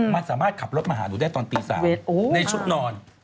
มันสามารถขับรถมาหาหนูได้ตอนตี๓ในชุดนอน